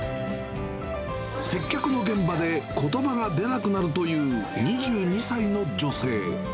接客の現場でことばが出なくなるという２２歳の女性。